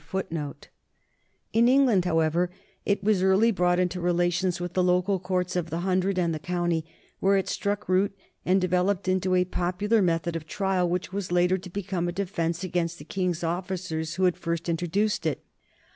l In England, however, it was early brought into relations with the local courts of the hun dred and the county, where it struck root and devel oped into a popular method of trial which was later to become a defence against the king's officers who had first introduced it.